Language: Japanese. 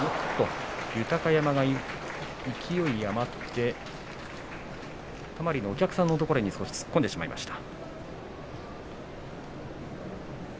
豊山、勢い余ってたまりのお客さんのところに突っ込んでしまいました。